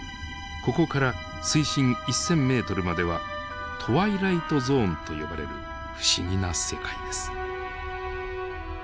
ここから水深１，０００メートルまではトワイライトゾーンと呼ばれる不思議な世界です。